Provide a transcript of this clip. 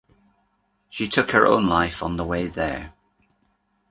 She took her own life on the way there.